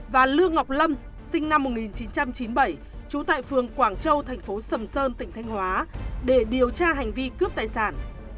và lương ngọc lâm sinh năm một nghìn chín trăm chín mươi bảy trú tại phường quảng châu thành phố sầm sơn tỉnh thanh hóa để điều tra hành vi cướp tài sản